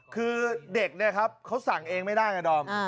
คือเด็กเนี่ยครับเขาสั่งเองไม่ได้ไงดอม